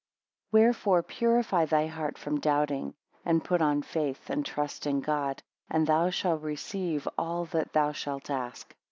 6 Wherefore purify thy heart from doubting, and put on faith, and trust in God, and thou shall receive all that thou shalt ask.